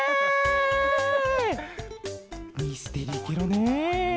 ミステリーケロね！